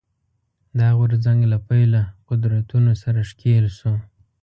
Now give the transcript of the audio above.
دا غورځنګ له پیله قدرتونو سره ښکېل شو